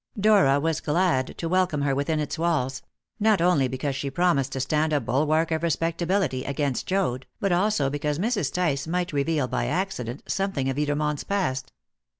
Dora was glad to welcome her within its walls; not only because she promised to stand a bulwark of respectability against Joad, but also because Mrs. Tice might reveal by accident something of Edermont's past.